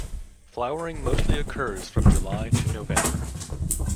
Flowering mostly occurs from July to November.